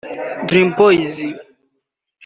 Dream Boys